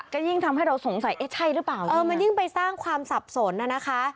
ก็ยิ่งทำให้เราสงสัยเอ๊ะใช่หรือเปล่าเออมันยิ่งไปสร้างความสับสนน่ะนะคะ